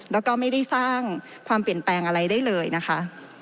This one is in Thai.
แล้วก็ไม่ได้สร้างความเปลี่ยนแปลงอะไรได้เลยนะคะ